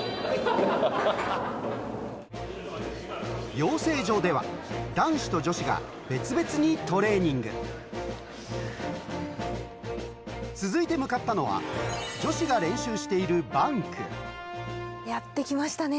養成所では男子と女子が別々にトレーニング続いて向かったのは女子が練習しているバンクやって来ましたね。